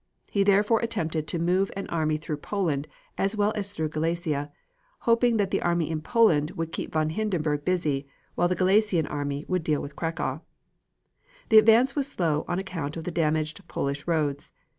He therefore attempted to move an army through Poland as well as through Galicia, hoping that the army in Poland would keep von Hindenburg busy, while the Galician army would deal with Cracow. The advance was slow on account of the damaged Polish roads.